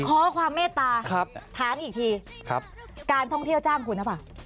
ขอความเมตตาถามอีกทีการท่องเที่ยวจ้างคุณหรือเปล่า